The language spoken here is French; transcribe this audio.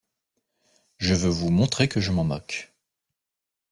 Je veux vous montrer que je m’en moque...